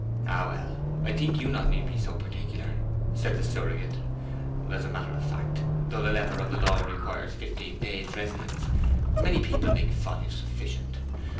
'Ah well I think you need not be so particular,' said the surrogate. 'As a matter of fact, though the letter of the law requires fifteen days' residence, many people make five sufficient.